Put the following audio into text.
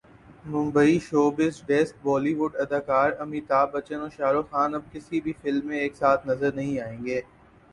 Mumbai showbiz desk Bollywood اداکار امیتابھ بچن اور شاہ رخ خان اب کسی بھی فلم میں ایک ساتھ نظر نہیں آئیں گے